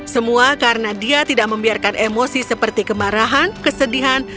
semua karena dia tidak membiarkan emosi seperti kemarahan kesedihan